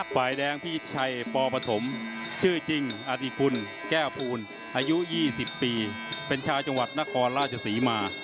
ฝ่ายแดงพี่ชัยปปฐมชื่อจริงอธิกุลแก้วภูลอายุ๒๐ปีเป็นชาวจังหวัดนครราชศรีมา